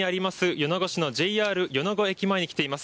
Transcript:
米子市のＪＲ米子駅に来ています。